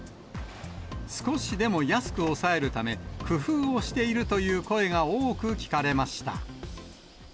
少しでも安く抑えるため、工夫をしているという声が多く聞かれました。